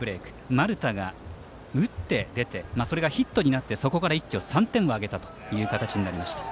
丸田が打って、出てそれがヒットになって一挙３点を挙げた形になりました。